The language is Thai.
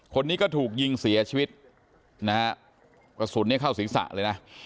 คนนี้ก็ถูกยิงเสียชีวิตสูตรนี้เข้าศีรษะเลยนะ